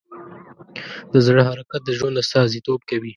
د زړه حرکت د ژوند استازیتوب کوي.